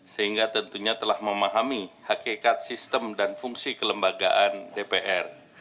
sehingga tentunya telah memahami hakikat sistem dan fungsi kelembagaan dpr